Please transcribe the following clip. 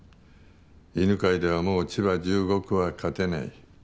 犬飼ではもう千葉１５区は勝てない。